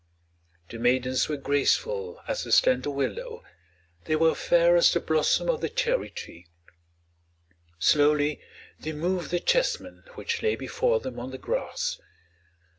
The maidens were graceful as the slender willow, they were fair as the blossom of the cherry tree. Slowly they moved the chessmen which lay before them on the grass.